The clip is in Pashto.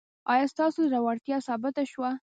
ایا ستاسو زړورتیا ثابته شوه؟